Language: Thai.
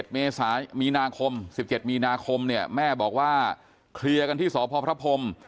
๑๗เมษมีนาคมแม่บอกว่าเคลียร์กันที่สพพ